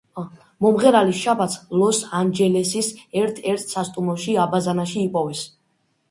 მომღერალი შაბათს ლოს ანჯელესის ერთ-ერთ სასტუმროში აბაზანაში იპოვეს.